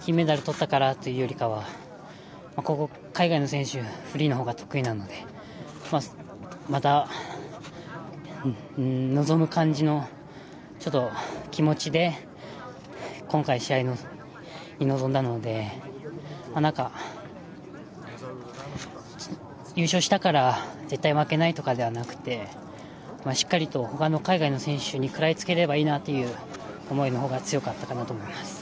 金メダルとったからというよりかは海外の選手はフリーのほうが得意なのでまた、臨む感じの気持ちで今回、試合に臨んだので優勝したから絶対負けないとかではなくてしっかりと、ほかの海外の選手に食らいつければいいなという思いのほうが強かったかなと思います。